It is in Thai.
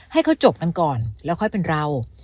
ให้เขาจบกันก่อนแล้วค่อยเป็นเรา